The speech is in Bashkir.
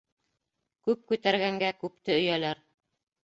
Күп күтәргәнгә күпте өйәләр.